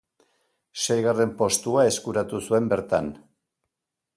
Seigarren postua eskuratu zuen bertan.